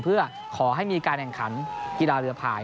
เพื่อขอให้มีการแข่งขันกีฬาเรือภาย